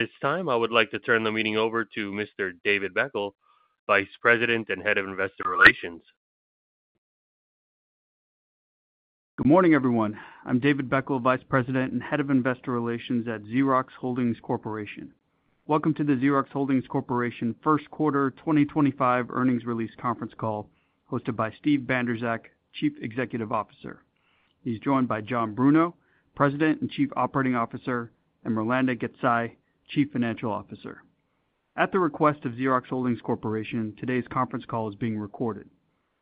This time, I would like to turn the meeting over to Mr. David Beckel, Vice President and Head of Investor Relations. Good morning, everyone. I'm David Beckel, Vice President and Head of Investor Relations at Xerox Holdings Corporation. Welcome to the Xerox Holdings Corporation Q1 2025 Earnings Release Conference Call, hosted by Steve Bandrowczak, Chief Executive Officer. He's joined by John Bruno, President and Chief Operating Officer, and Mirlanda Gecaj, Chief Financial Officer. At the request of Xerox Holdings Corporation, today's conference call is being recorded.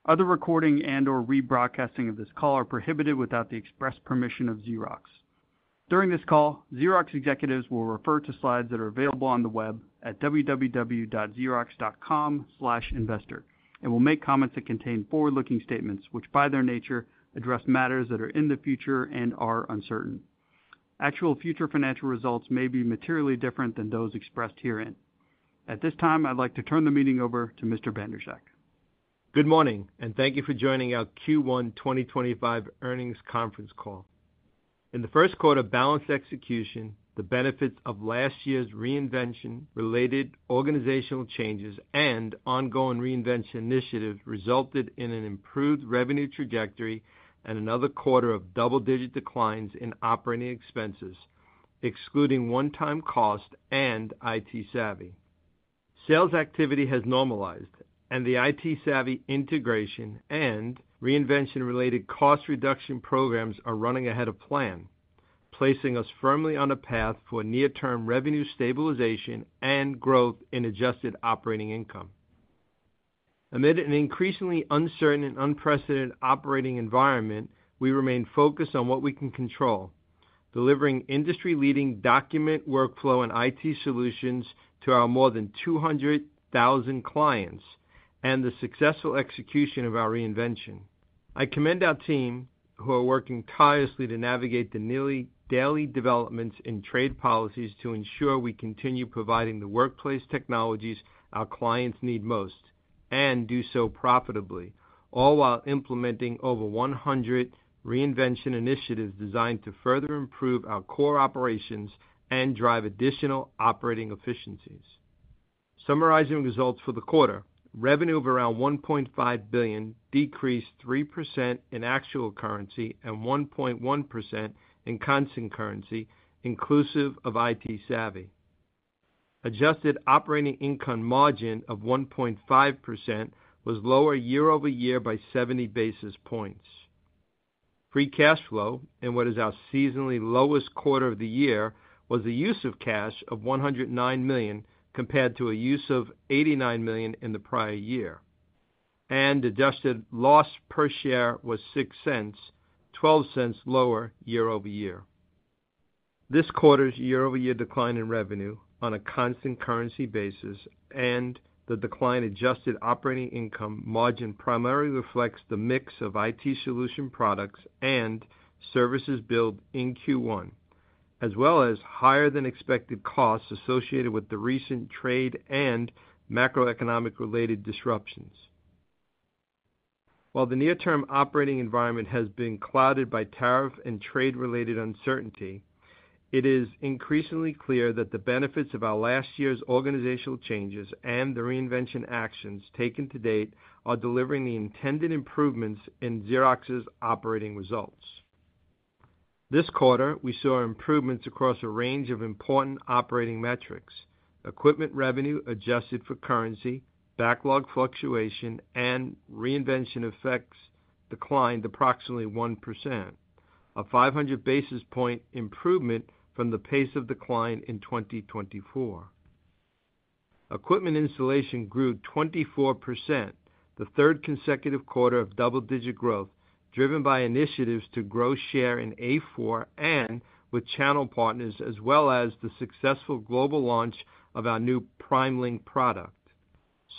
Other recording and/or rebroadcasting of this call are prohibited without the express permission of Xerox. During this call, Xerox executives will refer to slides that are available on the web at www.xerox.com/investor and will make comments that contain forward-looking statements which, by their nature, address matters that are in the future and are uncertain. Actual future financial results may be materially different than those expressed herein. At this time, I'd like to turn the meeting over to Mr. Bandrowczak. Good morning, and thank you for joining our Q1 2025 earnings conference call. In Q1, balanced execution, the benefits of last year's Reinvention-related organizational changes and ongoing Reinvention initiatives resulted in an improved revenue trajectory and another quarter of double-digit declines in operating expenses, excluding one-time costs and ITsavvy. Sales activity has normalized, and the ITsavvy integration and Reinvention-related cost reduction programs are running ahead of plan, placing us firmly on a path for near-term revenue stabilization and growth in Adjusted Operating Income. Amid an increasingly uncertain and unprecedented operating environment, we remain focused on what we can control, delivering industry-leading document workflow and IT Solutions to our more than 200,000 clients and the successful execution of our Reinvention. I commend our team, who are working tirelessly to navigate the daily developments in trade policies to ensure we continue providing the workplace technologies our clients need most and do so profitably, all while implementing over 100 Reinvention initiatives designed to further improve our core operations and drive additional operating efficiencies. Summarizing results for the quarter: revenue of around $1.5 billion decreased 3% in actual currency and 1.1% in constant currency, inclusive of ITsavvy. Adjusted Operating Income margin of 1.5% was lower year-over-year by 70 basis points. Free Cash Flow, in what is our seasonally lowest quarter of the year, was the use of cash of $109 million compared to a use of $89 million in the prior year, and adjusted loss per share was $0.06, $0.12 lower year-over-year. This quarter's year-over-year decline in revenue on a constant currency basis and the decline-Adjusted Operating Income margin primarily reflects the mix of IT Solutions products and services billed in Q1, as well as higher-than-expected costs associated with the recent trade and macroeconomic-related disruptions. While the near-term operating environment has been clouded by tariff and trade-related uncertainty, it is increasingly clear that the benefits of our last year's organizational changes and the Reinvention actions taken to date are delivering the intended improvements in Xerox's operating results. This quarter, we saw improvements across a range of important operating metrics. Equipment revenue, adjusted for currency, backlog fluctuation, and Reinvention effects declined approximately 1%, a 500 basis point improvement from the pace of decline in 2024. Equipment installation grew 24%, the third consecutive quarter of double-digit growth, driven by initiatives to grow share in A4 and with channel partners, as well as the successful global launch of our new PrimeLink product.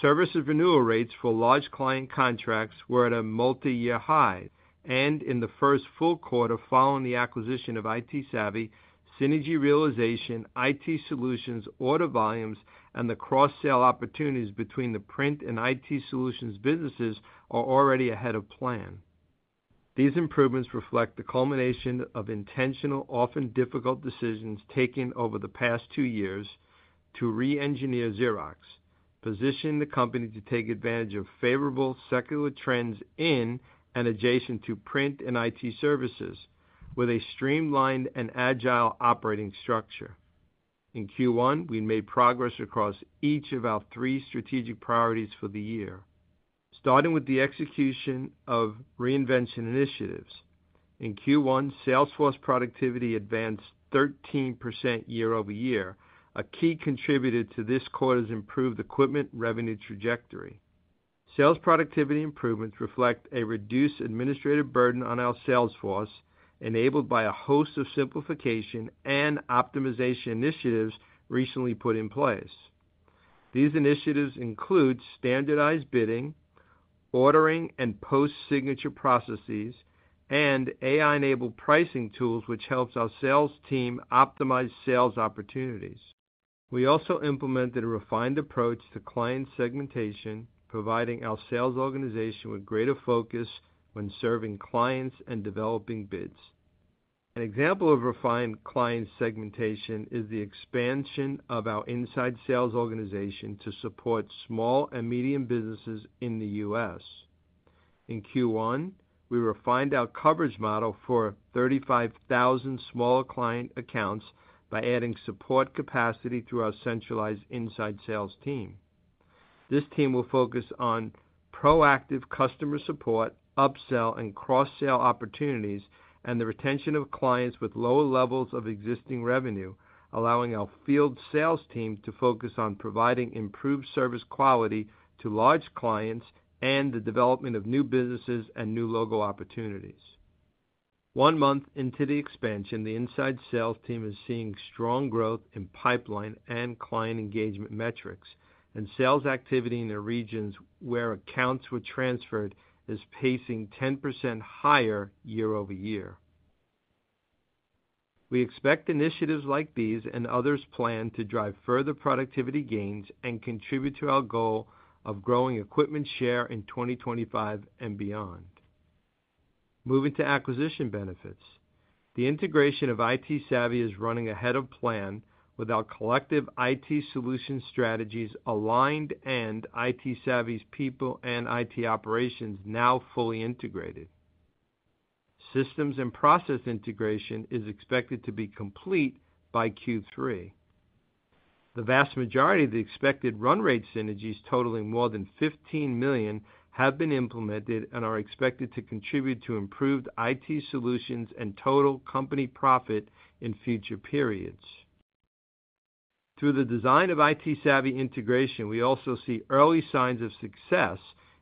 Service renewal rates for large client contracts were at a multi-year high, and in the first full quarter following the acquisition of ITsavvy, synergy realization, IT Solutions, order volumes, and the cross-sell opportunities between the print and IT Solutions businesses are already ahead of plan. These improvements reflect the culmination of intentional, often difficult decisions taken over the past two years to re-engineer Xerox, positioning the company to take advantage of favorable secular trends in and adjacent to print and IT services with a streamlined and agile operating structure. In Q1, we made progress across each of our three strategic priorities for the year, starting with the execution of Reinvention initiatives. In Q1, sales force productivity advanced 13% year-over-year, a key contributor to this quarter's improved equipment revenue trajectory. Sales productivity improvements reflect a reduced administrative burden on our sales force, enabled by a host of simplification and optimization initiatives recently put in place. These initiatives include standardized bidding, ordering and post-signature processes, and AI-enabled pricing tools, which helps our sales team optimize sales opportunities. We also implemented a refined approach to client segmentation, providing our sales organization with greater focus when serving clients and developing bids. An example of refined client segmentation is the expansion of our inside sales organization to support small and medium businesses in the US. In Q1, we refined our coverage model for 35,000 smaller client accounts by adding support capacity through our centralized inside sales team. This team will focus on proactive customer support, upsell, and cross-sell opportunities, and the retention of clients with lower levels of existing revenue, allowing our field sales team to focus on providing improved service quality to large clients and the development of new businesses and new logo opportunities. One month into the expansion, the inside sales team is seeing strong growth in pipeline and client engagement metrics, and sales activity in the regions where accounts were transferred is pacing 10% higher year-over-year. We expect initiatives like these and others planned to drive further productivity gains and contribute to our goal of growing equipment share in 2025 and beyond. Moving to acquisition benefits, the integration of ITsavvy is running ahead of plan with our collective IT Solutions strategies aligned and ITsavvy's people and IT operations now fully integrated. Systems and process integration is expected to be complete by Q3. The vast majority of the expected run rate synergies totaling more than $15 million have been implemented and are expected to contribute to improved IT Solutions and total company profit in future periods. Through the design of ITsavvy integration, we also see early signs of success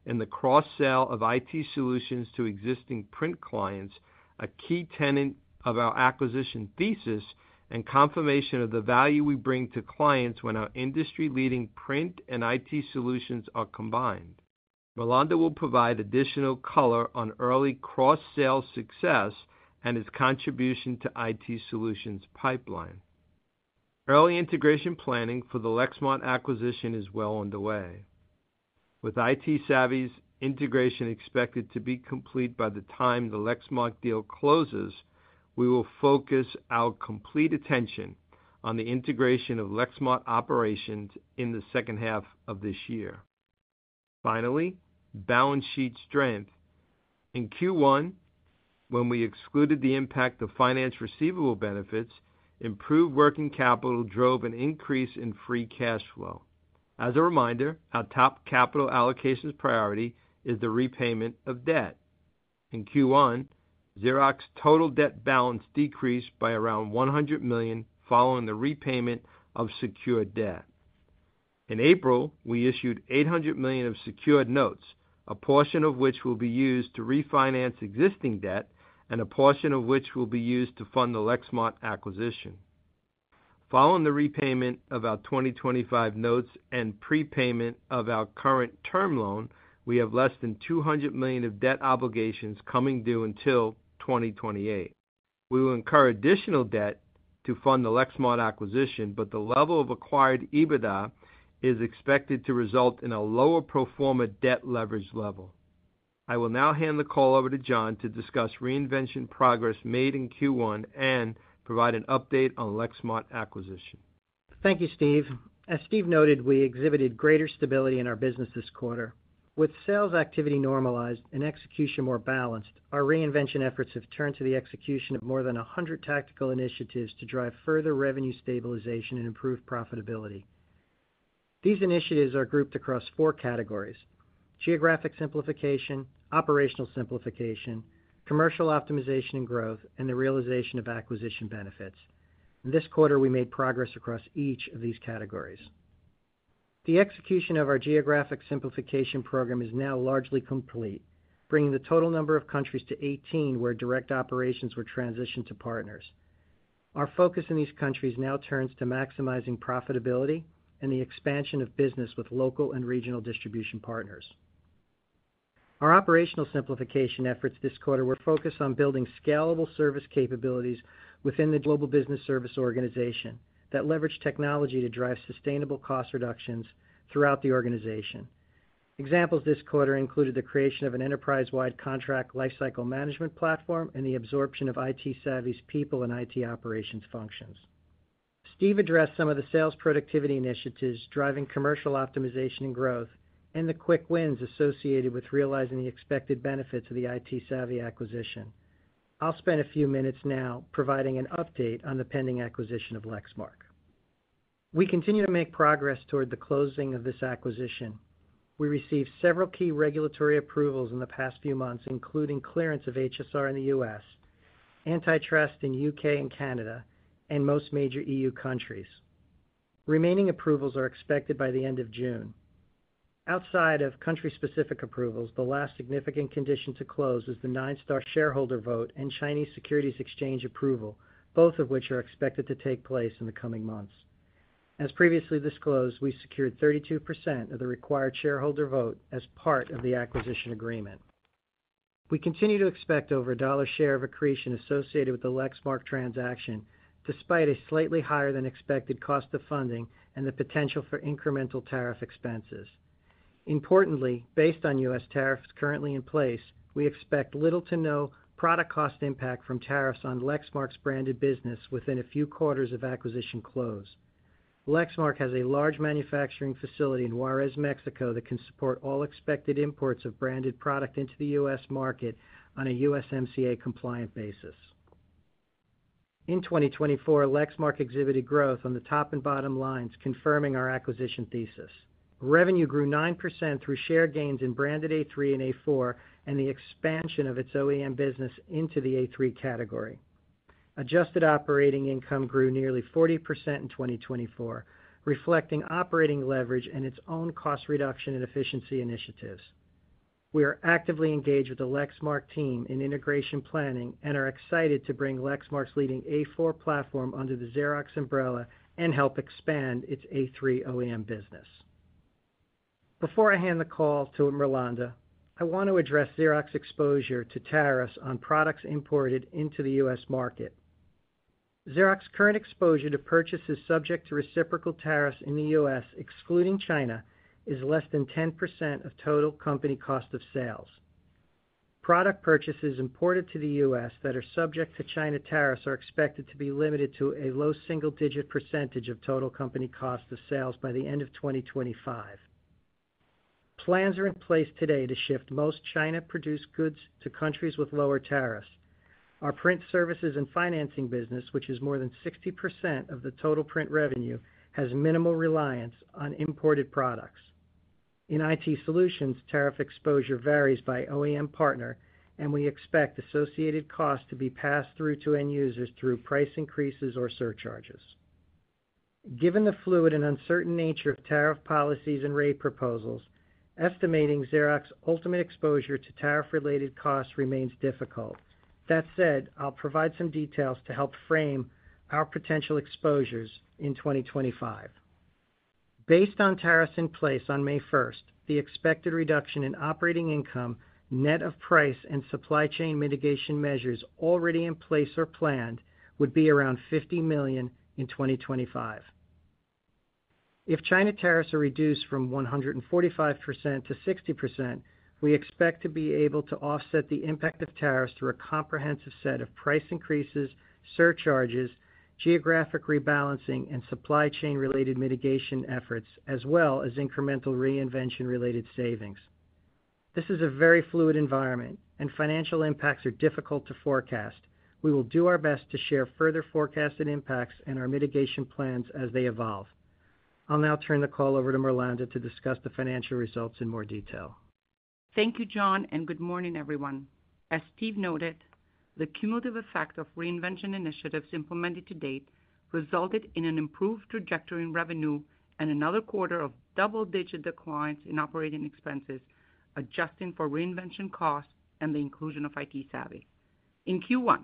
in the cross-sell of IT Solutions to existing print clients, a key tenet of our acquisition thesis, and confirmation of the value we bring to clients when our industry-leading print and IT Solutions are combined. Mirlanda will provide additional color on early cross-sell success and its contribution to IT Solutions pipeline. Early integration planning for the Lexmark acquisition is well underway. With ITsavvy's integration expected to be complete by the time the Lexmark deal closes, we will focus our complete attention on the integration of Lexmark operations in the second half of this year. Finally, balance sheet strength. In Q1, when we excluded the impact of finance receivable benefits, improved working capital drove an increase in Free Cash Flow. As a reminder, our top capital allocation priority is the repayment of debt. In Q1, Xerox total debt balance decreased by around $100 million following the repayment of secured debt. In April, we issued $800 million of secured notes, a portion of which will be used to refinance existing debt and a portion of which will be used to fund the Lexmark acquisition. Following the repayment of our 2025 notes and prepayment of our current term loan, we have less than $200 million of debt obligations coming due until 2028. We will incur additional debt to fund the Lexmark acquisition, but the level of acquired EBITDA is expected to result in a lower proforma debt leverage level. I will now hand the call over to John to discuss Reinvention progress made in Q1 and provide an update on Lexmark acquisition. Thank you, Steve. As Steve noted, we exhibited greater stability in our business this quarter. With sales activity normalized and execution more balanced, our Reinvention efforts have turned to the execution of more than 100 tactical initiatives to drive further revenue stabilization and improved profitability. These initiatives are grouped across four categories: geographic simplification, operational simplification, commercial optimization and growth, and the realization of acquisition benefits. In this quarter, we made progress across each of these categories. The execution of our geographic simplification program is now largely complete, bringing the total number of countries to 18 where direct operations were transitioned to partners. Our focus in these countries now turns to maximizing profitability and the expansion of business with local and regional distribution partners. Our operational simplification efforts this quarter were focused on building scalable service capabilities within the global business service organization that leverage technology to drive sustainable cost reductions throughout the organization. Examples this quarter included the creation of an enterprise-wide contract lifecycle management platform and the absorption of ITsavvy's people and IT operations functions. Steve addressed some of the sales productivity initiatives driving commercial optimization and growth and the quick wins associated with realizing the expected benefits of the ITsavvy acquisition. I'll spend a few minutes now providing an update on the pending acquisition of Lexmark. We continue to make progress toward the closing of this acquisition. We received several key regulatory approvals in the past few months, including clearance of HSR in the U.S., antitrust in the U.K. and Canada, and most major EU countries. Remaining approvals are expected by the end of June. Outside of country-specific approvals, the last significant condition to close is the Ninestar shareholder vote and Chinese Securities Exchange approval, both of which are expected to take place in the coming months. As previously disclosed, we secured 32% of the required shareholder vote as part of the acquisition agreement. We continue to expect over $1 share of accretion associated with the Lexmark transaction, despite a slightly higher-than-expected cost of funding and the potential for incremental tariff expenses. Importantly, based on U.S. tariffs currently in place, we expect little to no product cost impact from tariffs on Lexmark's branded business within a few quarters of acquisition close. Lexmark has a large manufacturing facility in Juarez, Mexico, that can support all expected imports of branded product into the U.S. market on a USMCA-compliant basis. In 2024, Lexmark exhibited growth on the top and bottom lines, confirming our acquisition thesis. Revenue grew 9% through share gains in branded A3 and A4 and the expansion of its OEM business into the A3 category. Adjusted Operating Income grew nearly 40% in 2024, reflecting operating leverage and its own cost reduction and efficiency initiatives. We are actively engaged with the Lexmark team in integration planning and are excited to bring Lexmark's leading A4 platform under the Xerox umbrella and help expand its A3 OEM business. Before I hand the call to Mirlanda, I want to address Xerox's exposure to tariffs on products imported into the US market. Xerox's current exposure to purchases subject to reciprocal tariffs in the US, excluding China, is less than 10% of total company cost of sales. Product purchases imported to the US that are subject to China tariffs are expected to be limited to a low single-digit percentage of total company cost of sales by the end of 2025. Plans are in place today to shift most China-produced goods to countries with lower tariffs. Our print services and financing business, which is more than 60% of the total print revenue, has minimal reliance on imported products. In IT Solutions, tariff exposure varies by OEM partner, and we expect associated costs to be passed through to end users through price increases or surcharges. Given the fluid and uncertain nature of tariff policies and rate proposals, estimating Xerox's ultimate exposure to tariff-related costs remains difficult. That said, I'll provide some details to help frame our potential exposures in 2025. Based on tariffs in place on May 1, the expected reduction in operating income, net of price and supply chain mitigation measures already in place or planned, would be around $50 million in 2025. If China tariffs are reduced from 145% to 60%, we expect to be able to offset the impact of tariffs through a comprehensive set of price increases, surcharges, geographic rebalancing, and supply chain-related mitigation efforts, as well as incremental Reinvention-related savings. This is a very fluid environment, and financial impacts are difficult to forecast. We will do our best to share further forecasted impacts and our mitigation plans as they evolve. I'll now turn the call over to Mirlanda to discuss the financial results in more detail. Thank you, John, and good morning, everyone. As Steve noted, the cumulative effect of Reinvention initiatives implemented to date resulted in an improved trajectory in revenue and another quarter of double-digit declines in operating expenses, adjusting for Reinvention costs and the inclusion of ITsavvy. In Q1,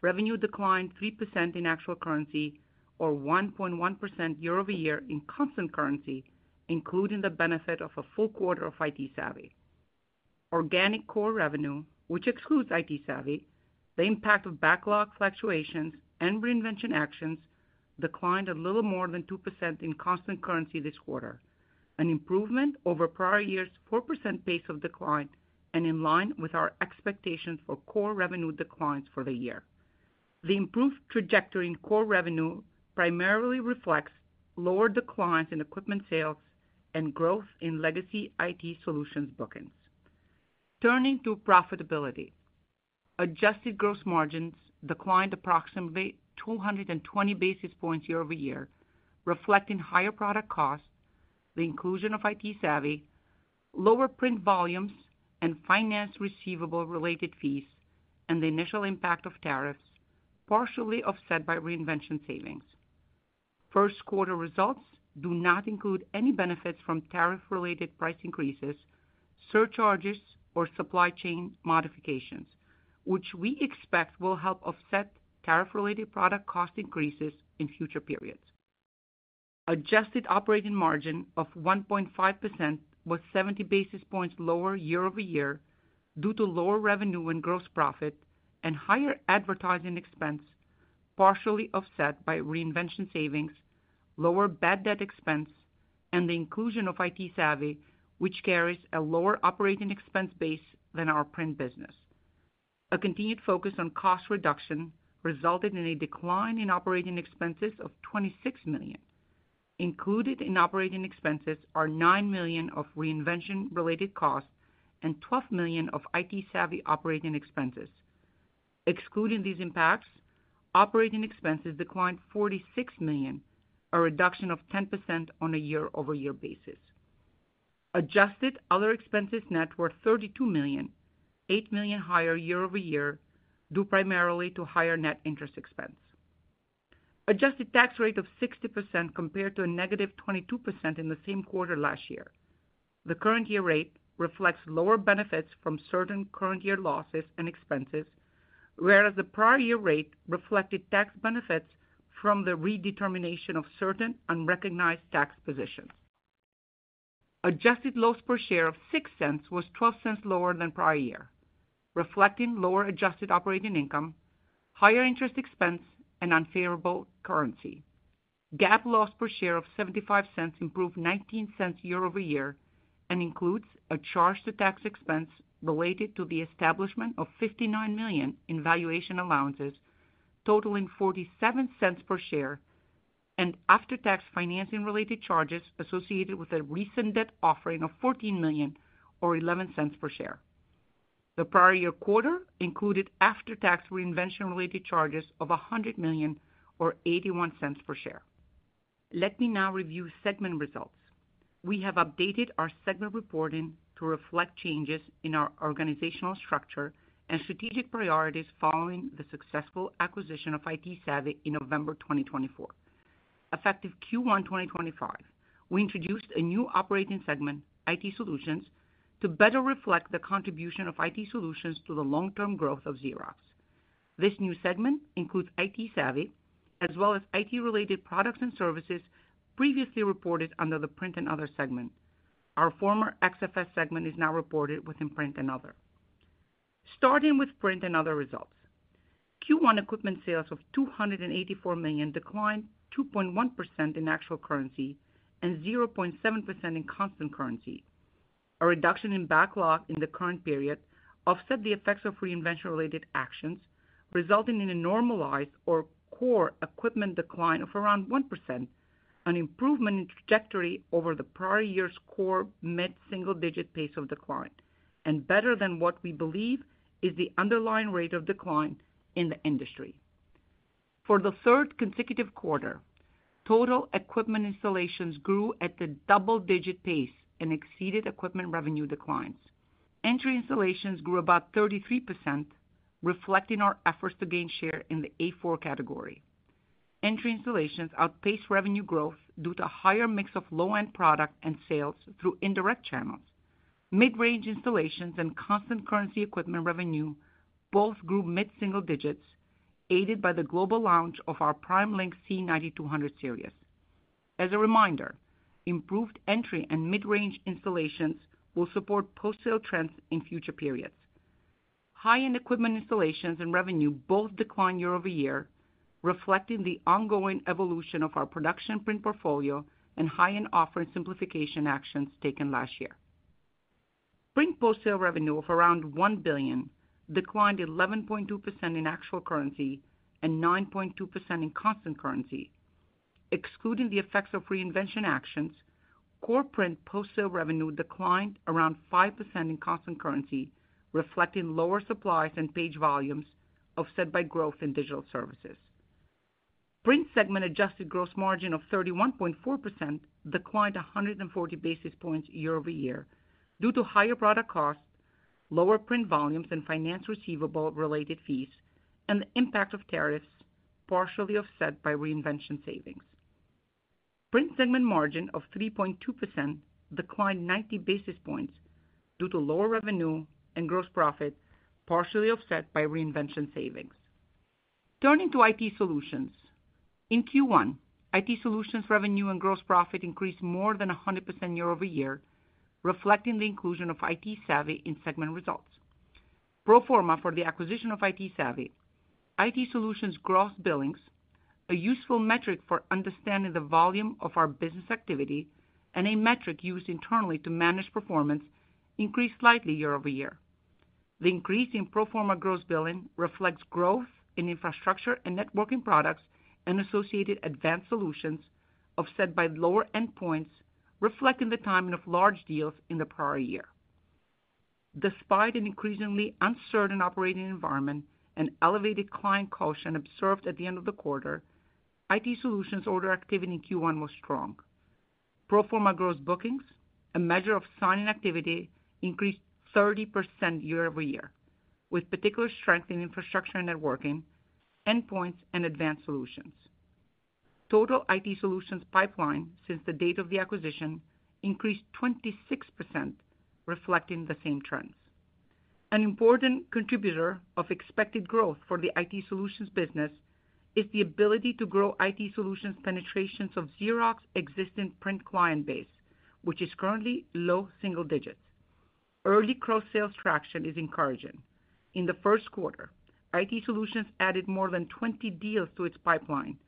revenue declined 3% in actual currency or 1.1% year-over-year in constant currency, including the benefit of a full quarter of ITsavvy. Organic core revenue, which excludes ITsavvy, the impact of backlog fluctuations and Reinvention actions, declined a little more than 2% in constant currency this quarter, an improvement over prior year's 4% pace of decline and in line with our expectations for core revenue declines for the year. The improved trajectory in core revenue primarily reflects lower declines in equipment sales and growth in legacy IT Solutions bookings. Turning to profitability, adjusted gross margins declined approximately 220 basis points year-over-year, reflecting higher product costs, the inclusion of ITsavvy, lower print volumes and finance receivable-related fees, and the initial impact of tariffs, partially offset by Reinvention savings. First quarter results do not include any benefits from tariff-related price increases, surcharges, or supply chain modifications, which we expect will help offset tariff-related product cost increases in future periods. Adjusted operating margin of 1.5% was 70 basis points lower year-over-year due to lower revenue and gross profit and higher advertising expense, partially offset by Reinvention savings, lower bad debt expense, and the inclusion of ITsavvy, which carries a lower operating expense base than our print business. A continued focus on cost reduction resulted in a decline in operating expenses of $26 million. Included in operating expenses are $9 million of Reinvention-related costs and $12 million of ITsavvy operating expenses. Excluding these impacts, operating expenses declined $46 million, a reduction of 10% on a year-over-year basis. Adjusted other expenses net were $32 million, $8 million higher year-over-year due primarily to higher net interest expense. Adjusted tax rate of 60% compared to a negative 22% in the same quarter last year. The current year rate reflects lower benefits from certain current year losses and expenses, whereas the prior year rate reflected tax benefits from the redetermination of certain unrecognized tax positions. Adjusted loss per share of $0.06 was $0.12 lower than prior year, reflecting lower Adjusted Operating Income, higher interest expense, and unfavorable currency. GAAP loss per share of $0.75 improved $0.19 year-over-year and includes a charge to tax expense related to the establishment of $59 million in valuation allowances totaling $0.47 per share and after-tax financing-related charges associated with a recent debt offering of $14 million or $0.11 per share. The prior year quarter included after-tax Reinvention-related charges of $100 million or $0.81 per share. Let me now review segment results. We have updated our segment reporting to reflect changes in our organizational structure and strategic priorities following the successful acquisition of ITsavvy in November 2024. Effective Q1 2025, we introduced a new operating segment, IT Solutions, to better reflect the contribution of IT Solutions to the long-term growth of Xerox. This new segment includes ITsavvy as well as IT-related products and services previously reported under the print and other segment. Our former XFS segment is now reported within print and other. Starting with print and other results, Q1 equipment sales of $284 million declined 2.1% in actual currency and 0.7% in constant currency. A reduction in backlog in the current period offset the effects of Reinvention-related actions, resulting in a normalized or core equipment decline of around 1%, an improvement in trajectory over the prior year's core mid-single-digit pace of decline, and better than what we believe is the underlying rate of decline in the industry. For the third consecutive quarter, total equipment installations grew at the double-digit pace and exceeded equipment revenue declines. Entry installations grew about 33%, reflecting our efforts to gain share in the A4 category. Entry installations outpaced revenue growth due to a higher mix of low-end product and sales through indirect channels. Mid-range installations and constant currency equipment revenue both grew mid-single digits, aided by the global launch of our PrimeLink C9200 series. As a reminder, improved entry and mid-range installations will support post-sale trends in future periods. High-end equipment installations and revenue both declined year-over-year, reflecting the ongoing evolution of our production print portfolio and high-end offering simplification actions taken last year. Print post-sale revenue of around $1 billion declined 11.2% in actual currency and 9.2% in constant currency. Excluding the effects of Reinvention actions, core print post-sale revenue declined around 5% in constant currency, reflecting lower supplies and page volumes offset by growth in digital services. Print segment adjusted gross margin of 31.4% declined 140 basis points year-over-year due to higher product costs, lower print volumes and finance receivable-related fees, and the impact of tariffs partially offset by Reinvention savings. Print segment margin of 3.2% declined 90 basis points due to lower revenue and gross profit partially offset by Reinvention savings. Turning to IT Solutions, in Q1, IT Solutions revenue and gross profit increased more than 100% year-over-year, reflecting the inclusion of ITsavvy in segment results. Pro forma for the acquisition of ITsavvy, IT Solutions gross billings, a useful metric for understanding the volume of our business activity and a metric used internally to manage performance, increased slightly year-over-year. The increase in pro forma gross billings reflects growth in infrastructure and networking products and associated advanced solutions offset by lower end points, reflecting the timing of large deals in the prior year. Despite an increasingly uncertain operating environment and elevated client caution observed at the end of the quarter, IT Solutions order activity in Q1 was strong. Pro forma gross bookings, a measure of signing activity, increased 30% year-over-year, with particular strength in infrastructure and networking, endpoints, and advanced solutions. Total IT Solutions pipeline since the date of the acquisition increased 26%, reflecting the same trends. An important contributor of expected growth for the IT Solutions business is the ability to grow IT Solutions penetrations of Xerox's existing print client base, which is currently low single digits. Early cross-sales traction is encouraging. In the first quarter, IT Solutions added more than 20 deals to its pipeline,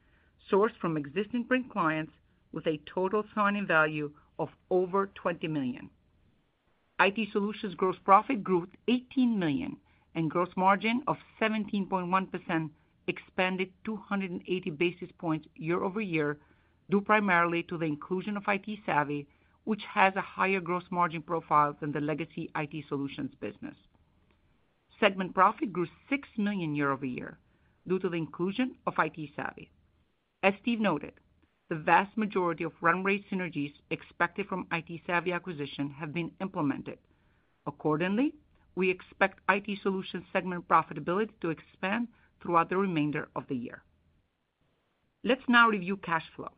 sourced from existing print clients, with a total signing value of over $20 million. IT Solutions gross profit grew $18 million and gross margin of 17.1%, expanded 280 basis points year-over-year due primarily to the inclusion of ITsavvy, which has a higher gross margin profile than the legacy IT Solutions business. Segment profit grew $6 million year-over-year due to the inclusion of ITsavvy. As Steve noted, the vast majority of run rate synergies expected from the ITsavvy acquisition have been implemented. Accordingly, we expect IT Solutions segment profitability to expand throughout the remainder of the year. Let's now review cash flow.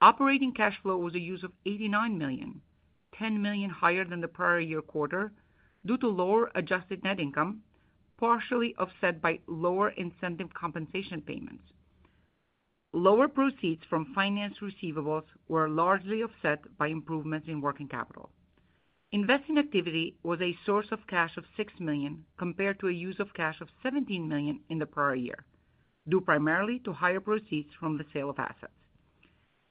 Operating cash flow was a use of $89 million, $10 million higher than the prior year quarter due to lower adjusted net income, partially offset by lower incentive compensation payments. Lower proceeds from finance receivables were largely offset by improvements in working capital. Investing activity was a source of cash of $6 million compared to a use of cash of $17 million in the prior year, due primarily to higher proceeds from the sale of assets.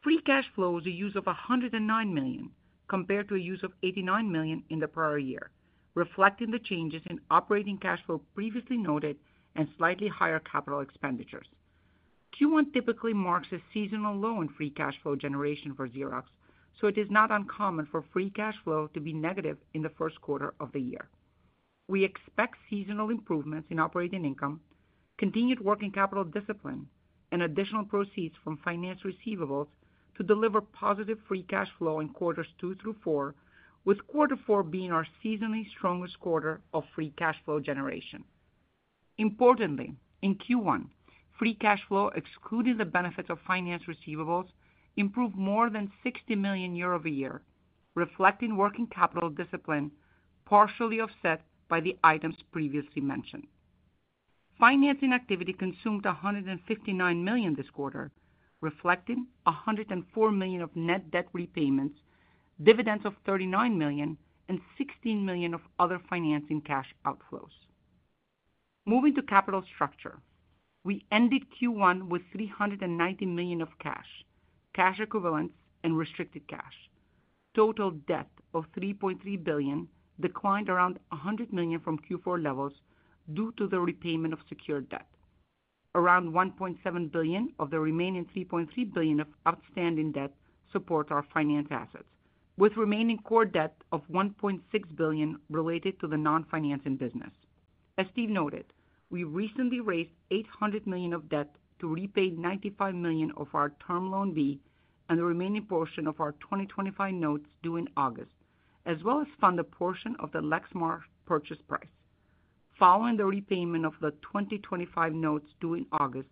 Free Cash Flow was a use of $109 million compared to a use of $89 million in the prior year, reflecting the changes in operating cash flow previously noted and slightly higher capital expenditures. Q1 typically marks a seasonal low in Free Cash Flow generation for Xerox, so it is not uncommon for Free Cash Flow to be negative in the first quarter of the year. We expect seasonal improvements in operating income, continued working capital discipline, and additional proceeds from finance receivables to deliver positive Free Cash Flow in Q2 through Q4, with Q4 being our seasonally strongest quarter of Free Cash Flow generation. Importantly, in Q1, Free Cash Flow, excluding the benefits of finance receivables, improved more than $60 million year-over-year, reflecting working capital discipline, partially offset by the items previously mentioned. Financing activity consumed $159 million this quarter, reflecting $104 million of net debt repayments, dividends of $39 million, and $16 million of other financing cash outflows. Moving to capital structure, we ended Q1 with $390 million of cash, cash equivalents, and restricted cash. Total debt of $3.3 billion declined around $100 million from Q4 levels due to the repayment of secured debt. Around $1.7 billion of the remaining $3.3 billion of outstanding debt supports our finance assets, with remaining core debt of $1.6 billion related to the non-financing business. As Steve noted, we recently raised $800 million of debt to repay $95 million of our Term Loan B and the remaining portion of our 2025 notes due in August, as well as fund a portion of the Lexmark purchase price. Following the repayment of the 2025 notes due in August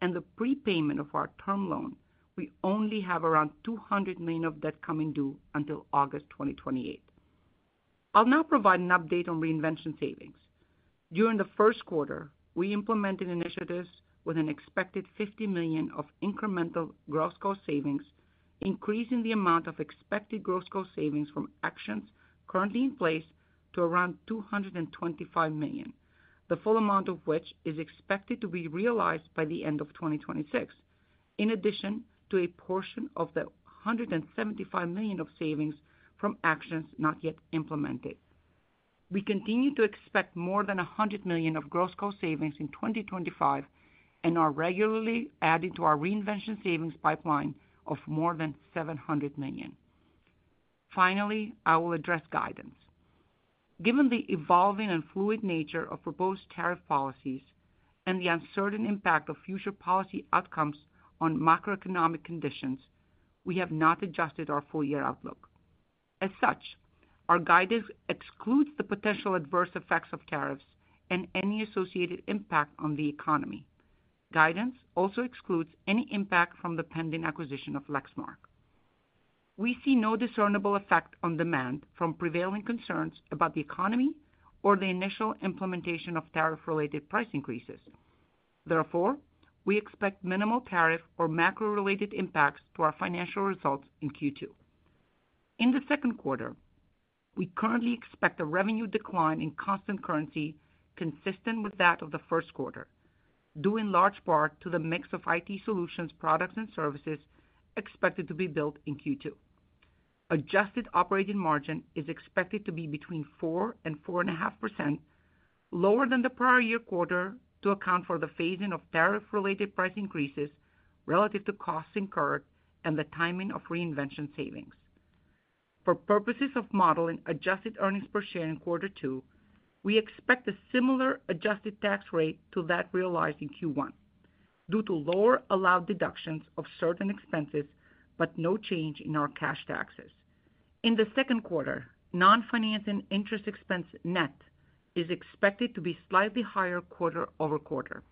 and the prepayment of our term loan, we only have around $200 million of debt coming due until August 2028. I'll now provide an update on Reinvention savings. During the first quarter, we implemented initiatives with an expected $50 million of incremental gross cost savings, increasing the amount of expected gross cost savings from actions currently in place to around $225 million, the full amount of which is expected to be realized by the end of 2026, in addition to a portion of the $175 million of savings from actions not yet implemented. We continue to expect more than $100 million of gross cost savings in 2025 and are regularly adding to our Reinvention savings pipeline of more than $700 million. Finally, I will address guidance. Given the evolving and fluid nature of proposed tariff policies and the uncertain impact of future policy outcomes on macroeconomic conditions, we have not adjusted our full year outlook. As such, our guidance excludes the potential adverse effects of tariffs and any associated impact on the economy. Guidance also excludes any impact from the pending acquisition of Lexmark. We see no discernible effect on demand from prevailing concerns about the economy or the initial implementation of tariff-related price increases. Therefore, we expect minimal tariff or macro-related impacts to our financial results in Q2. In Q2, we currently expect a revenue decline in constant currency consistent with that of Q1, due in large part to the mix of IT Solutions products and services expected to be built in Q2. Adjusted operating margin is expected to be between 4% and 4.5%, lower than the prior year quarter to account for the phasing of tariff-related price increases relative to costs incurred and the timing of Reinvention savings. For purposes of modeling adjusted earnings per share in Q2, we expect a similar adjusted tax rate to that realized in Q1 due to lower allowed deductions of certain expenses but no change in our cash taxes. In Q2, non-financing interest expense net is expected to be slightly higher quarter-over-quarter.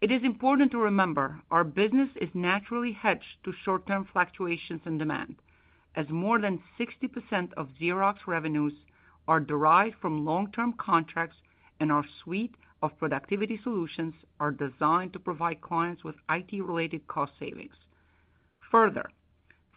It is important to remember our business is naturally hedged to short-term fluctuations in demand, as more than 60% of Xerox revenues are derived from long-term contracts and our suite of productivity solutions are designed to provide clients with IT-related cost savings. Further,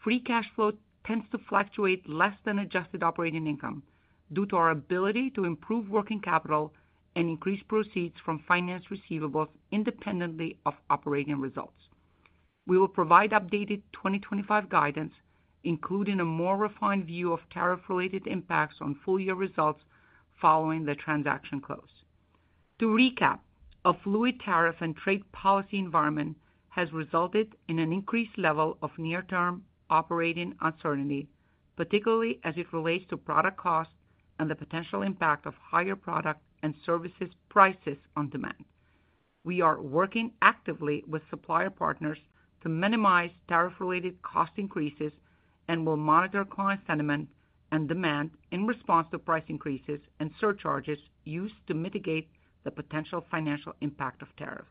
Free Cash Flow tends to fluctuate less than Adjusted Operating Income due to our ability to improve working capital and increase proceeds from finance receivables independently of operating results. We will provide updated 2025 guidance, including a more refined view of tariff-related impacts on full year results following the transaction close. To recap, a fluid tariff and trade policy environment has resulted in an increased level of near-term operating uncertainty, particularly as it relates to product costs and the potential impact of higher product and services prices on demand. We are working actively with supplier partners to minimize tariff-related cost increases and will monitor client sentiment and demand in response to price increases and surcharges used to mitigate the potential financial impact of tariffs.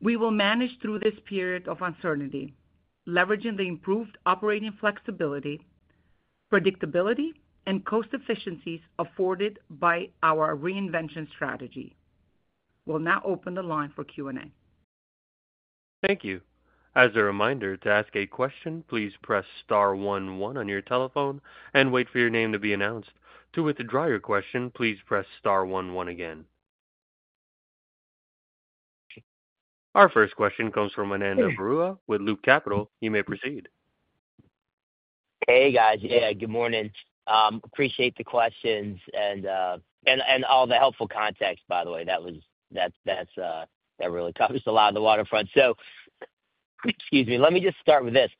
We will manage through this period of uncertainty, leveraging the improved operating flexibility, predictability, and cost efficiencies afforded by our Reinvention strategy. We'll now open the line for Q&A. Thank you. As a reminder, to ask a question, please press star one one on your telephone and wait for your name to be announced. To withdraw your question, please press star one one again. Our first question comes from Ananda Baruah with Loop Capital. You may proceed. Hey, guys. Yeah, good morning. Appreciate the questions and all the helpful context, by the way. That really covers a lot of the waterfront. Excuse me, let me just start with this.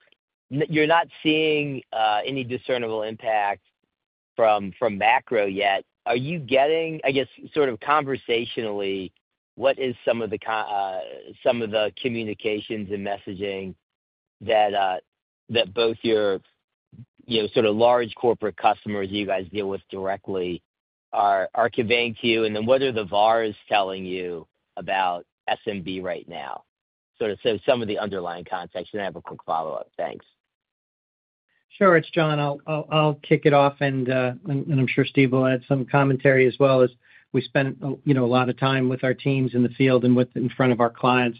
You're not seeing any discernible impact from macro yet. Are you getting, I guess, sort of conversationally, what is some of the communications and messaging that both your sort of large corporate customers you guys deal with directly are conveying to you? What are the VARs telling you about SMB right now? Sort of some of the underlying context, and I have a quick follow-up. Thanks. Sure. It's John. I'll kick it off, and I'm sure Steve will add some commentary as well as we spent a lot of time with our teams in the field and in front of our clients.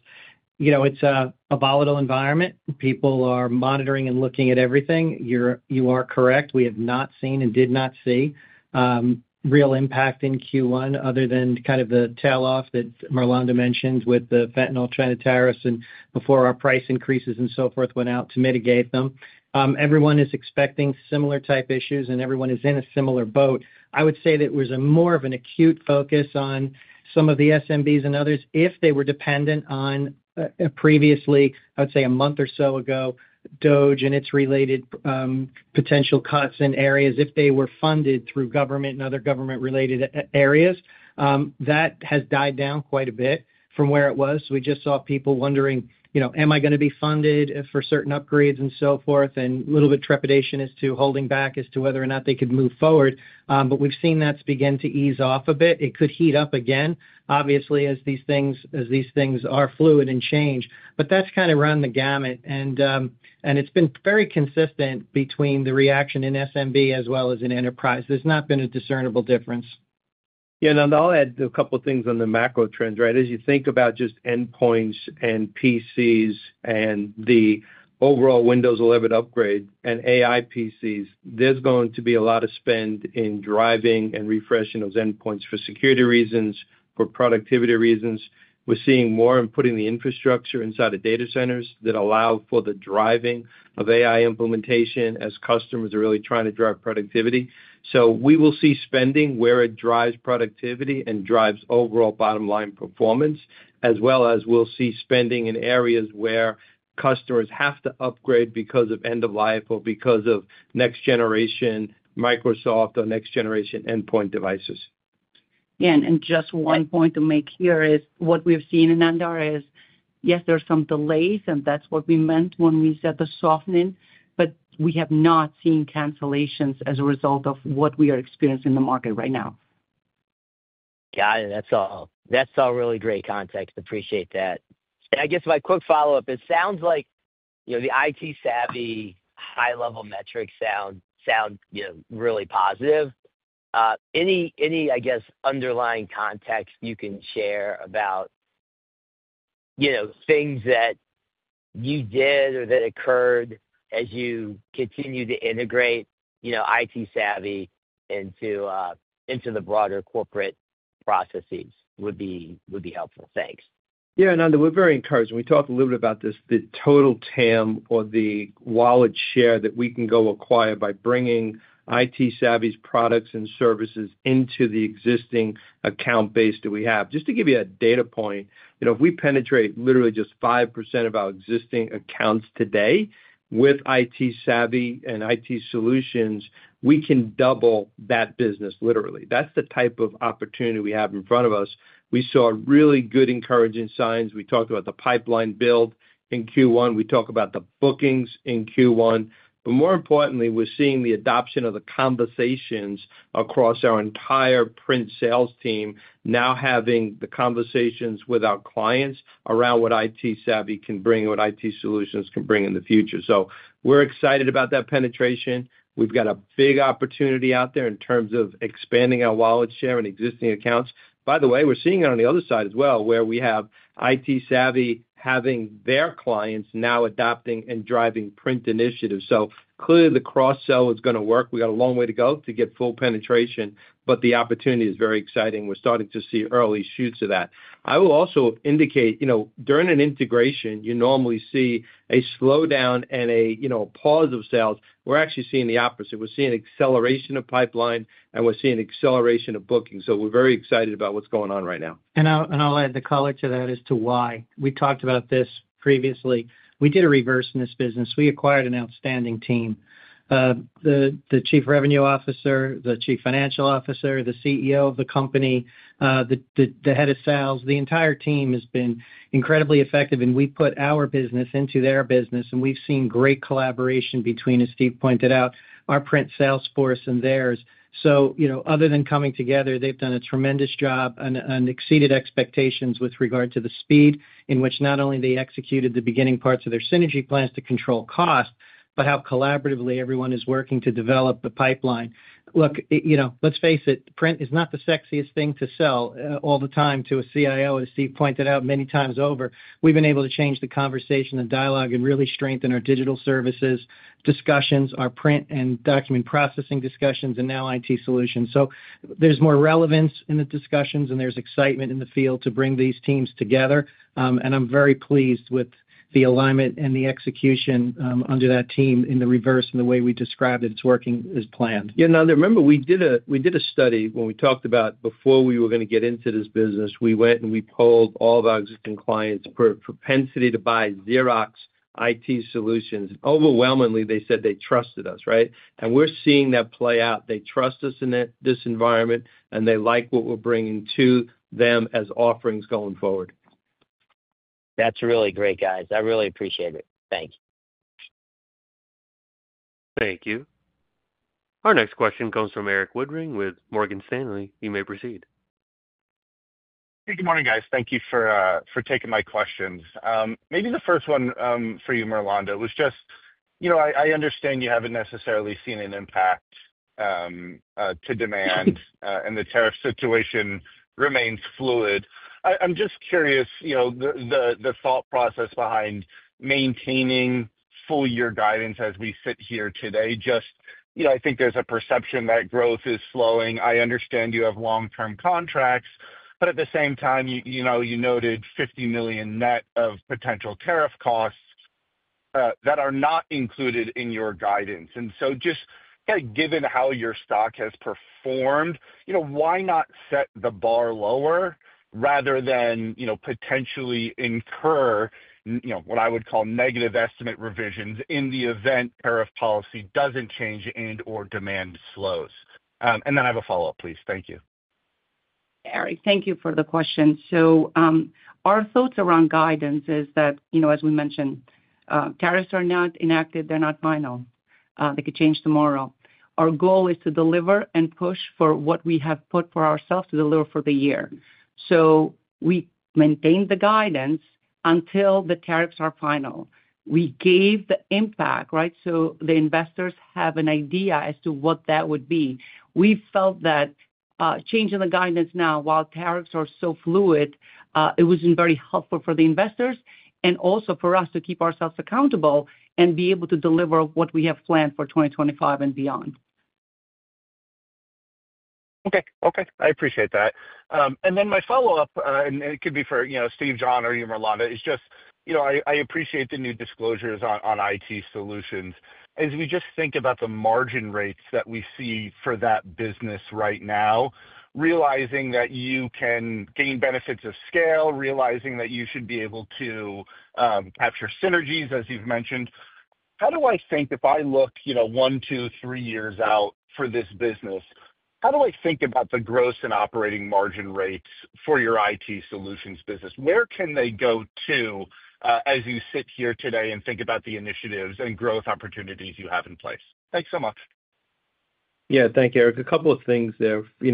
It's a volatile environment. People are monitoring and looking at everything. You are correct. We have not seen and did not see real impact in Q1 other than kind of the tail off that Mirlanda mentioned with the fentanyl trend of tariffs and before our price increases and so forth went out to mitigate them. Everyone is expecting similar type issues, and everyone is in a similar boat. I would say that it was more of an acute focus on some of the SMBs and others if they were dependent on a previously, I would say a month or so ago, DOGE and its related potential cuts in areas if they were funded through government and other government-related areas. That has died down quite a bit from where it was. We just saw people wondering, "Am I going to be funded for certain upgrades?" and so forth, and a little bit of trepidation as to holding back as to whether or not they could move forward. We have seen that begin to ease off a bit. It could heat up again, obviously, as these things are fluid and change. That has kind of run the gamut. It has been very consistent between the reaction in SMB as well as in enterprise. There has not been a discernible difference. Yeah. I'll add a couple of things on the macro trends. Right? As you think about just endpoints and PCs and the overall Windows 11 upgrade and AI PCs, there's going to be a lot of spend in driving and refreshing those endpoints for security reasons, for productivity reasons. We're seeing more in putting the infrastructure inside of data centers that allow for the driving of AI implementation as customers are really trying to drive productivity. We will see spending where it drives productivity and drives overall bottom line performance, as well as we'll see spending in areas where customers have to upgrade because of end-of-life or because of next-generation Microsoft or next-generation endpoint devices. Yeah. Just one point to make here is what we've seen, Ananda is, yes, there are some delays, and that's what we meant when we said the softening, but we have not seen cancellations as a result of what we are experiencing in the market right now. Got it. That's all really great context. Appreciate that. I guess my quick follow-up is it sounds like the ITsavvy high-level metrics sound really positive. Any, I guess, underlying context you can share about things that you did or that occurred as you continue to integrate ITsavvy into the broader corporate processes would be helpful. Thanks. Yeah. Ananda, we're very encouraged. We talked a little bit about this, the total TAM or the wallet share that we can go acquire by bringing ITsavvy's products and services into the existing account base that we have. Just to give you a data point, if we penetrate literally just 5% of our existing accounts today with ITsavvy and IT Solutions, we can double that business, literally. That is the type of opportunity we have in front of us. We saw really good encouraging signs. We talked about the pipeline build in Q1. We talked about the bookings in Q1. More importantly, we are seeing the adoption of the conversations across our entire print sales team now having the conversations with our clients around what ITsavvy can bring, what IT Solutions can bring in the future. We are excited about that penetration. We have got a big opportunity out there in terms of expanding our wallet share and existing accounts. By the way, we are seeing it on the other side as well, where we have ITsavvy having their clients now adopting and driving print initiatives. Clearly, the cross-sell is going to work. We got a long way to go to get full penetration, but the opportunity is very exciting. We're starting to see early shoots of that. I will also indicate during an integration, you normally see a slowdown and a pause of sales. We're actually seeing the opposite. We're seeing acceleration of pipeline, and we're seeing acceleration of booking. We're very excited about what's going on right now. I'll add the color to that as to why. We talked about this previously. We did a reverse in this business. We acquired an outstanding team. The Chief Revenue Officer, the Chief Financial Officer, the CEO of the company, the Head of Sales, the entire team has been incredibly effective, and we put our business into their business, and we've seen great collaboration between, as Steve pointed out, our print sales force and theirs. Other than coming together, they've done a tremendous job and exceeded expectations with regard to the speed in which not only they executed the beginning parts of their synergy plans to control cost, but how collaboratively everyone is working to develop the pipeline. Look, let's face it, print is not the sexiest thing to sell all the time to a CIO, as Steve pointed out many times over. We've been able to change the conversation and dialogue and really strengthen our digital services discussions, our print and document processing discussions, and now IT Solutions. There is more relevance in the discussions, and there is excitement in the field to bring these teams together. I am very pleased with the alignment and the execution under that team in the reverse and the way we described it. It is working as planned. Yeah. Ananda, remember we did a study when we talked about before we were going to get into this business, we went and we polled all of our existing clients for propensity to buy Xerox IT Solutions. Overwhelmingly, they said they trusted us. Right? We are seeing that play out. They trust us in this environment, and they like what we are bringing to them as offerings going forward. That is really great, guys. I really appreciate it. Thanks. Thank you. Our next question comes from Erik Woodring with Morgan Stanley. You may proceed. Hey, good morning, guys. Thank you for taking my questions. Maybe the first one for you, Mirlanda, was just I understand you haven't necessarily seen an impact to demand, and the tariff situation remains fluid. I'm just curious the thought process behind maintaining full year guidance as we sit here today. Just I think there's a perception that growth is slowing. I understand you have long-term contracts, but at the same time, you noted $50 million net of potential tariff costs that are not included in your guidance. And so just given how your stock has performed, why not set the bar lower rather than potentially incur what I would call negative estimate revisions in the event tariff policy doesn't change and/or demand slows? I have a follow-up, please. Thank you. Erik, thank you for the question. Our thoughts around guidance is that, as we mentioned, tariffs are not enacted. They're not final. They could change tomorrow. Our goal is to deliver and push for what we have put for ourselves to deliver for the year. We maintained the guidance until the tariffs are final. We gave the impact. Right? The investors have an idea as to what that would be. We felt that changing the guidance now, while tariffs are so fluid, it was not very helpful for the investors and also for us to keep ourselves accountable and be able to deliver what we have planned for 2025 and beyond. Okay. I appreciate that. My follow-up, and it could be for Steve, John, or you, Mirlanda, is just I appreciate the new disclosures on IT Solutions. As we just think about the margin rates that we see for that business right now, realizing that you can gain benefits of scale, realizing that you should be able to capture synergies, as you've mentioned, how do I think if I look one, two, three years out for this business, how do I think about the gross and operating margin rates for your IT Solutions business? Where can they go to as you sit here today and think about the initiatives and growth opportunities you have in place? Thanks so much. Yeah. Thank you, Erik. A couple of things there. We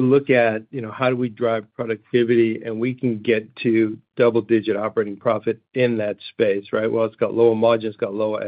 look at how do we drive productivity, and we can get to double-digit operating profit in that space. Right? It has lower margins, lower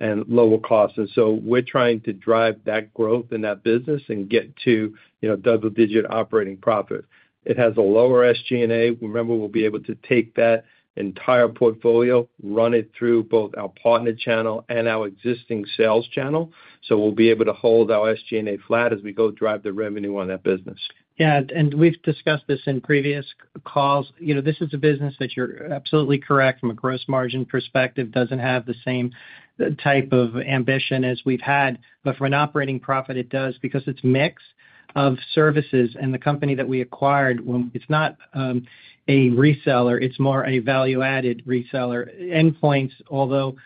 SG&A, and lower costs. We are trying to drive that growth in that business and get to double-digit operating profit. It has a lower SG&A. Remember, we'll be able to take that entire portfolio, run it through both our partner channel and our existing sales channel. We'll be able to hold our SG&A flat as we go drive the revenue on that business. Yeah. We've discussed this in previous calls. This is a business that you're absolutely correct from a gross margin perspective doesn't have the same type of ambition as we've had. For an operating profit, it does because it's a mix of services. The company that we acquired, it's not a reseller. It's more a value-added reseller. Endpoints, although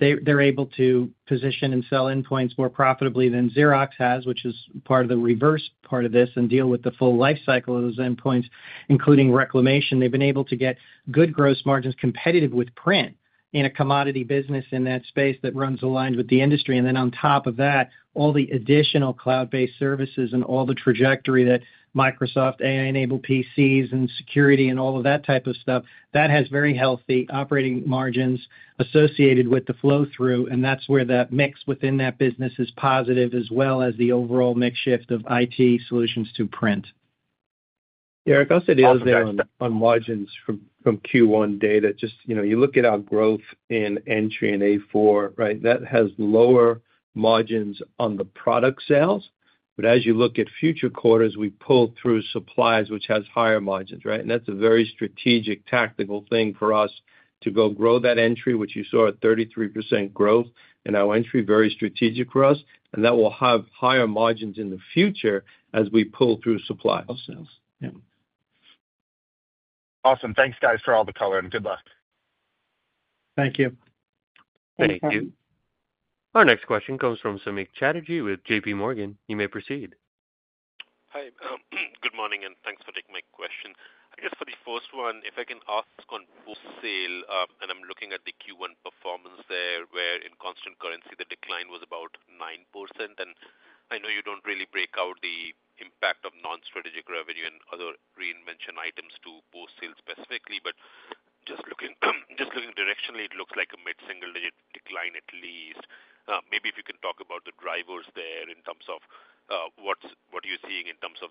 they're able to position and sell endpoints more profitably than Xerox has, which is part of the reverse part of this and deal with the full life cycle of those endpoints, including reclamation. They've been able to get good gross margins competitive with print in a commodity business in that space that runs aligned with the industry. On top of that, all the additional cloud-based services and all the trajectory that Microsoft AI-enabled PCs and security and all of that type of stuff, that has very healthy operating margins associated with the flow-through. That's where that mix within that business is positive as well as the overall mix shift of IT Solutions to print. Erik, I'll say the other thing on margins from Q1 data. Just you look at our growth in entry and A4. Right? That has lower margins on the product sales. As you look at future quarters, we pull through supplies, which has higher margins. Right? That's a very strategic, tactical thing for us to go grow that entry, which you saw a 33% growth in our entry, very strategic for us. That will have higher margins in the future as we pull through supplies. Awesome. Thanks, guys, for all the color. Good luck. Thank you. Thank you. Our next question comes from Samik Chatterjee with JPMorgan. You may proceed. Hi. Good morning, and thanks for taking my question. I guess for the first one, if I can ask on post-sale, and I'm looking at the Q1 performance there, where in constant currency, the decline was about 9%. I know you don't really break out the impact of non-strategic revenue and other Reinvention items to post-sale specifically, but just looking directionally, it looks like a mid-single-digit decline at least. Maybe if you can talk about the drivers there in terms of what you're seeing in terms of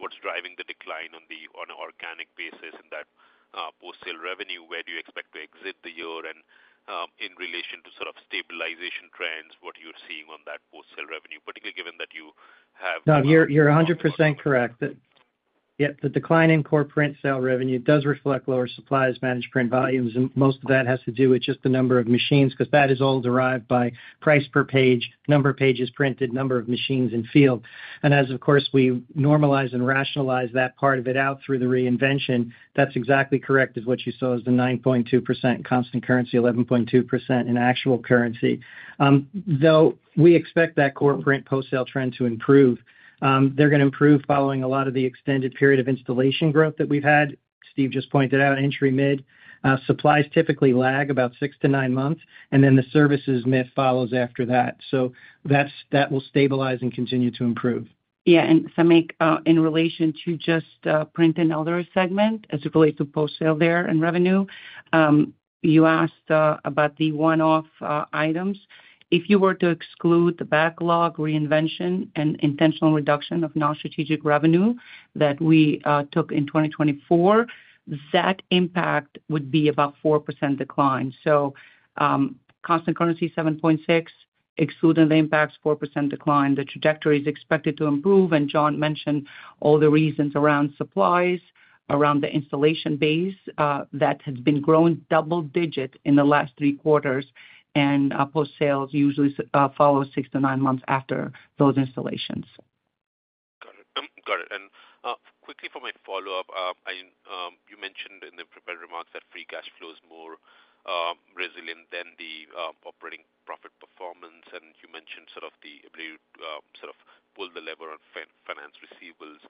what's driving the decline on an organic basis in that post-sale revenue, where do you expect to exit the year? In relation to sort of stabilization trends, what you're seeing on that post-sale revenue, particularly given that you have. No, you're 100% correct. Yep. The decline in core print sale revenue does reflect lower supplies managed print volumes, and most of that has to do with just the number of machines because that is all derived by price per page, number of pages printed, number of machines in field. As we normalize and rationalize that part of it out through the Reinvention, that's exactly correct as what you saw as the 9.2% in constant currency, 11.2% in actual currency. Though we expect that core print post-sale trend to improve, they're going to improve following a lot of the extended period of installation growth that we've had. Steve just pointed out entry-mid supplies typically lag about six to nine months, and then the services-mid follows after that. That will stabilize and continue to improve. Yeah. Samik, in relation to just print and other segment as it relates to post-sale there and revenue, you asked about the one-off items. If you were to exclude the backlog, Reinvention, and intentional reduction of non-strategic revenue that we took in 2024, that impact would be about 4% decline. Constant currency 7.6%, excluding the impacts, 4% decline. The trajectory is expected to improve. John mentioned all the reasons around supplies, around the installation base that has been growing double-digit in the last three quarters. Post-sales usually follows six to nine months after those installations. Got it. Got it. Quickly for my follow-up, you mentioned in the prepared remarks that Free Cash Flow is more resilient than the operating profit performance. You mentioned sort of the ability to sort of pull the lever on finance receivables.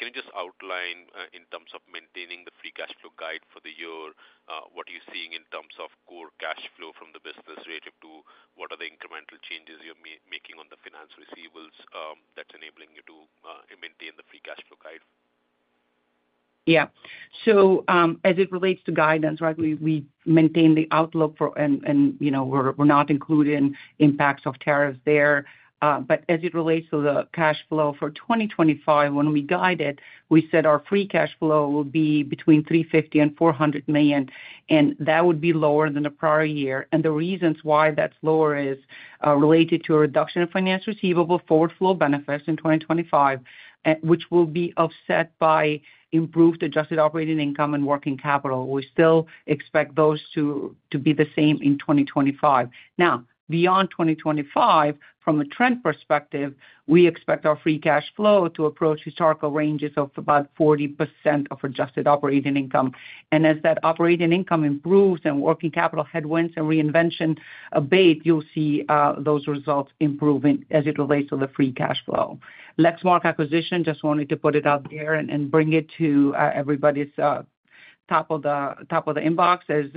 Can you just outline in terms of maintaining the Free Cash Flow guide for the year, what you are seeing in terms of core cash flow from the business relative to what are the incremental changes you are making on the finance receivables that is enabling you to maintain the Free Cash Flow guide? Yeah. As it relates to guidance, we maintain the outlook, and we are not including impacts of tariffs there. As it relates to the cash flow for 2025, when we guided it, we said our Free Cash Flow will be between $350 million and $400 million, and that would be lower than the prior year. The reasons why that's lower is related to a reduction in finance receivable forward flow benefits in 2025, which will be offset by improved Adjusted Operating Income and working capital. We still expect those to be the same in 2025. Now, beyond 2025, from a trend perspective, we expect our Free Cash Flow to approach historical ranges of about 40% of Adjusted Operating Income. As that operating income improves and working capital headwinds and Reinvention abate, you'll see those results improving as it relates to the Free Cash Flow. Lexmark acquisition, just wanted to put it out there and bring it to everybody's top of the inbox is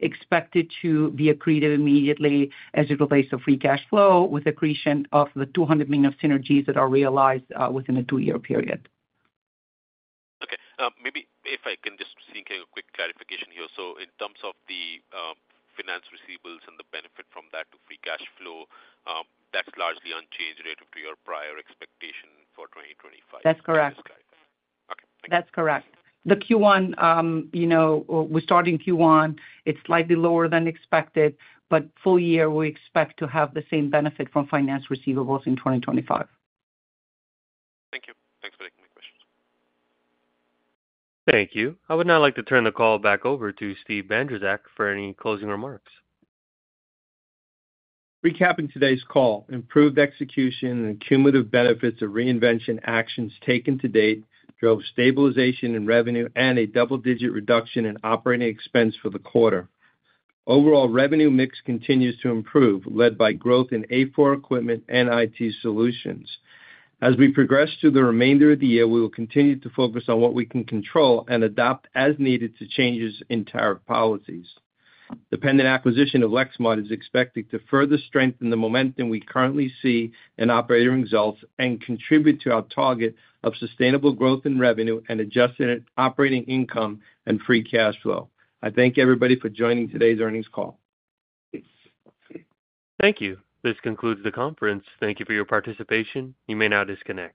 expected to be accretive immediately as it relates to free cash flow with accretion of the $200 million of synergies that are realized within a two-year period. Okay. Maybe if I can just think a quick clarification here. In terms of the finance receivables and the benefit from that to free cash flow, that's largely unchanged relative to your prior expectation for 2025. That's correct. Okay. Thank you. That's correct. The Q1, we're starting Q1. It's slightly lower than expected, but full year, we expect to have the same benefit from finance receivables in 2025. Thank you. Thanks for taking my questions. Thank you. I would now like to turn the call back over to Steve Bandrowczak for any closing remarks. Recapping today's call, improved execution and cumulative benefits of Reinvention actions taken to date drove stabilization in revenue and a double-digit reduction in operating expense for the quarter. Overall revenue mix continues to improve, led by growth in A4 equipment and IT Solutions. As we progress through the remainder of the year, we will continue to focus on what we can control and adopt as needed to changes in tariff policies. The pending acquisition of Lexmark is expected to further strengthen the momentum we currently see in operating results and contribute to our target of sustainable growth in revenue and Adjusted Operating Income and free cash flow. I thank everybody for joining today's earnings call. Thank you. This concludes the conference. Thank you for your participation. You may now disconnect.